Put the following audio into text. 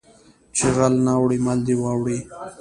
ـ چې غل نه اوړي مل دې واوړي .